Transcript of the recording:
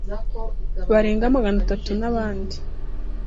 barenga Magana atatu n’abandi